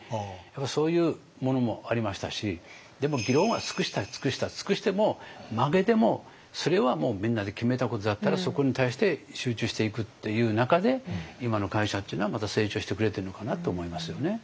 やっぱりそういうものもありましたしでも議論は尽くした尽くした尽くしても負けでもそれはもうみんなで決めたことだったらそこに対して集中していくっていう中で今の会社っていうのはまた成長してくれてるのかなって思いますよね。